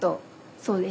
そうです。